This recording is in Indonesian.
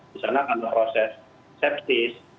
misalnya karena proses sepsis